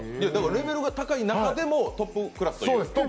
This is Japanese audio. レベルが高い中でもトップクラスと。